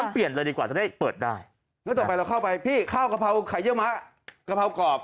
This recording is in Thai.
พี่ข้าวกะเพราไข่เยื่อมะกะเพรากรอบ